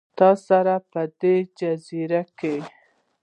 تا سره، په دې جزیره کې